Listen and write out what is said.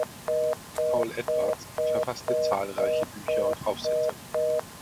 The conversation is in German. Paul Edwards verfasste zahlreiche Bücher und Aufsätze.